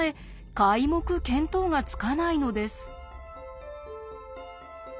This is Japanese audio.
皆目見当がつかないのです。